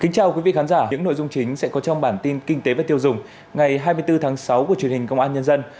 chào mừng quý vị đến với bản tin kinh tế và tiêu dùng ngày hai mươi bốn tháng sáu của truyền hình công an nhân dân